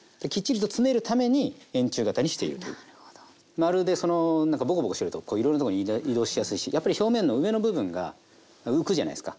丸でそのぼこぼこしてるとこういろんなとこに移動しやすいしやっぱり表面の上の部分が浮くじゃないですか。